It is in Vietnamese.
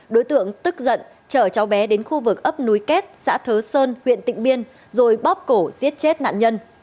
đối tượng tức giận chở cháu bé đến khu vực ấp núi kết xã thớ sơn huyện tịnh biên rồi bóp cổ giết chết nạn nhân